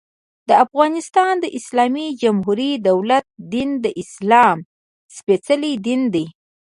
د افغانستان د اسلامي جمهوري دولت دين، د اسلام سپيڅلی دين دى.